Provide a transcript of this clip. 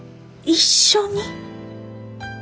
一緒に？